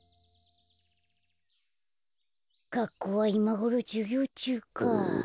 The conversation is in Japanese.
がっこうはいまごろじゅぎょうちゅうか。